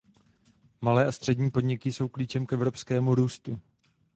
Malé a střední podniky jsou klíčem k evropskému růstu.